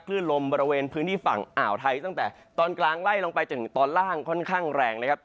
คลื่นลมบริเวณพื้นที่ฝั่งอ่าวไทยตั้งแต่ตอนกลางไล่ลงไปจนถึงตอนล่างค่อนข้างแรงนะครับ